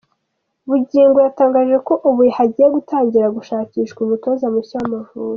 Bugingo yatangaje ko ubu hagiye gutangira gushakishwa umutoza mushya w’Amavubi.